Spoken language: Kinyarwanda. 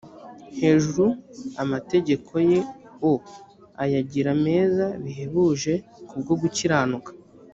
hejuru amategeko ye o ayagira meza bihebuje ku bwo gukiranuka